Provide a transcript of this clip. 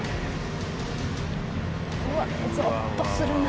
うわっゾッとするな。